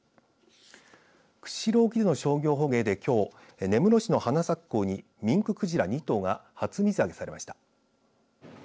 釧路沖での商業捕鯨できょう根室市の花咲港にミンククジラ２頭が初水揚げされました。